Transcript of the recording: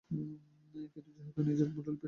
কিন্তু যেহেতু নিজেই নিজের ঢোল পিটাচ্ছ।